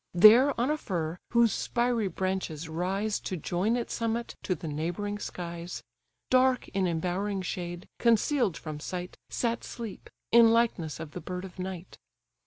There on a fir, whose spiry branches rise To join its summit to the neighbouring skies; Dark in embowering shade, conceal'd from sight, Sat Sleep, in likeness of the bird of night.